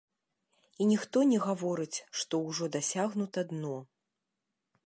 І ніхто не гаворыць, што ўжо дасягнута дно.